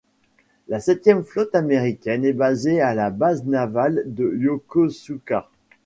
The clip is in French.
La Septième flotte américaine est basé à la base navale de Yokosuka.